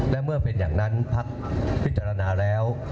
และเมื่อเป็นอย่างนั้นพักพิจารณาแล้ว